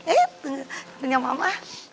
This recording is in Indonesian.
ini punya mama